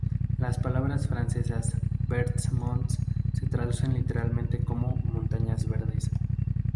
Las palabras francesas "Verts Monts" se traducen literalmente como "Montañas Verdes".